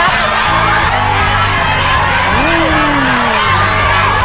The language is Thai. ๒ชามลูก